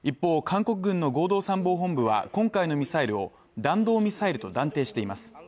韓国軍の合同参謀本部は今回のミサイルを弾道ミサイルと断定しています